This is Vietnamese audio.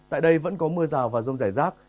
tại đây vẫn có mưa rào và rông rải rác